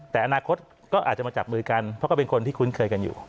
แต่อนาคตก็อาจจะมาจับมือกันเพราะก็เป็นคนที่คุ้นเคยกันอยู่